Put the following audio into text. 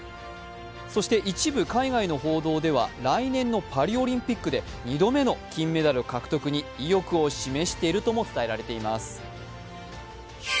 そして一部、海外の報道では来年のパリオリンピックで２度目の金メダル獲得に意欲を示しているとも伝えられています。